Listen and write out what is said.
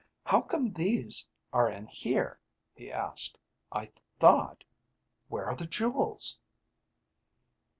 "How come these are in here?" he asked. "I thought where are the jewels?"